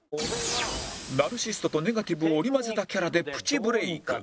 ナルシストとネガティブを織り交ぜたキャラでプチブレーク